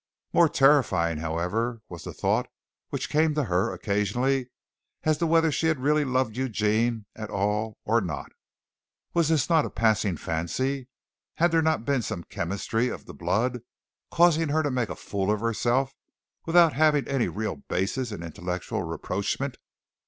More terrifying, however, was the thought which came to her occasionally as to whether she had really loved Eugene at all or not. Was this not a passing fancy? Had there not been some chemistry of the blood, causing her to make a fool of herself, without having any real basis in intellectual rapprochement.